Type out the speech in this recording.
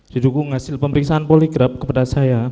didukung hasil pemeriksaan poligraf kepada saya